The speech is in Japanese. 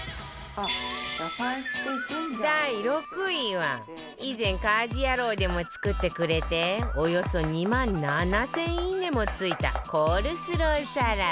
第６位は以前『家事ヤロウ！！！』でも作ってくれておよそ２万７０００いいね！もついたコールスローサラダ